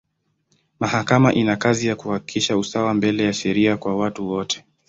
Mahakama ina kazi ya kuhakikisha usawa mbele ya sheria kwa watu wote.